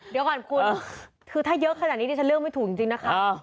เดี๋ยวก่อนคุณคือถ้าเยอะขนาดนี้ดิฉันเลือกไม่ถูกจริงนะคะ